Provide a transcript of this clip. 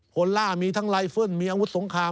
ล่ามีทั้งไลเฟิลมีอาวุธสงคราม